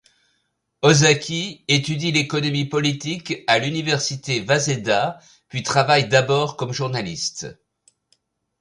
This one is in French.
Ozaki étudie l'économie politique à l'université Waseda puis travaille d'abord comme journaliste.